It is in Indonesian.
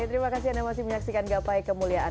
terima kasih anda masih menyaksikan gapai kemuliaan